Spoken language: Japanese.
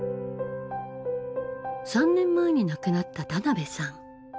３年前に亡くなった田辺さん。